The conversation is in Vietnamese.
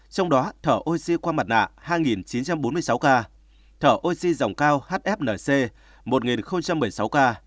trong đó thở oxy qua mặt nạ hai chín trăm bốn mươi sáu ca thở oxy dòng cao hfnc một một mươi sáu ca